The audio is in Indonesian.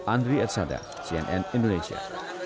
andri edzada cnn indonesia